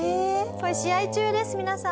これ試合中です皆さん。